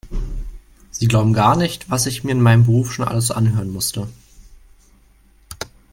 Sie glauben gar nicht, was ich mir in meinem Beruf schon alles anhören musste.